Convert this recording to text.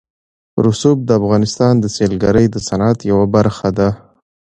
رسوب د افغانستان د سیلګرۍ د صنعت یوه برخه ده.